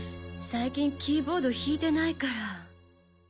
最近キーボード弾いてないから。